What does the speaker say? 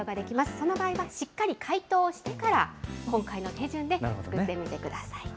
その場合はしっかり解凍をしてから、今回の手順で作ってみてください。